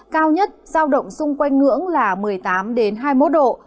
cao nhất giao động xung quanh ngưỡng là một mươi tám hai mươi một độ